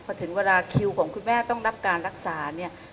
พอถึงเวลาคิวของคุณแม่ต้องรับการรักษาเนี่ย